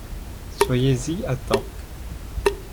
Soyez-y à temps !